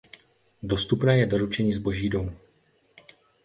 Dostupné je doručení zboží domů.